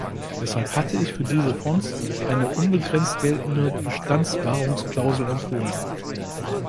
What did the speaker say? Deshalb hatte ich für diese Fonds eine unbegrenzt geltende "Bestandswahrungs-Klausel" empfohlen.